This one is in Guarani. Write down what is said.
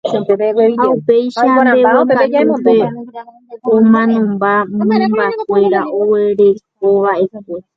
ha upéicha mbeguekatúpe omanomba mymbakuéra oguerekova'ekue.